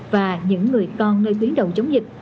và những người con nơi tuyến đầu chống dịch